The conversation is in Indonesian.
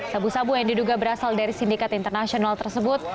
sabu sabu yang diduga berasal dari sindikat internasional tersebut